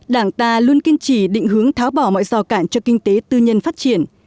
đảng ta luôn kiên trì định hướng tháo bỏ mọi rào cản cho kinh tế tư nhân phát triển